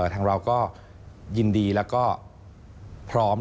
ทางเราก็ยินดีแล้วก็พร้อม